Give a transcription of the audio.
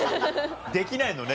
できないのね